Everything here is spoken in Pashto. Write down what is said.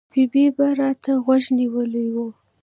ببۍ به را ته غوږ نیولی و.